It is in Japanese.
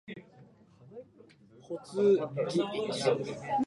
保津峡駅